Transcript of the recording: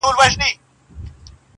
جهنم ته ځه چي ځاي دي سي اورونه!.